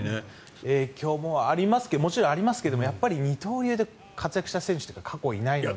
影響ももちろんありますがやっぱり二刀流で活躍した選手って過去いないので。